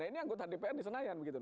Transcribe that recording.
ini anggota dpr di senayan begitu